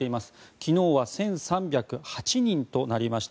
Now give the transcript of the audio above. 昨日は１３０８人となりました。